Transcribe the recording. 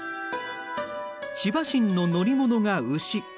シバ神の乗り物が牛。